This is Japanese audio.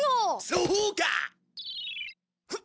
そうか！